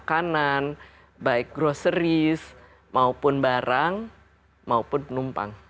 melayani pengantaran baik makanan baik groceries maupun barang maupun penumpang